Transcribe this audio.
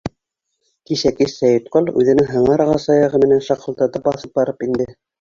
Кисә кис Сәйетҡол үҙенең һыңар ағас аяғы менән шаҡылдата баҫып барып инде.